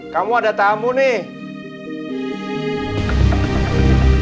kamu ada tamu nih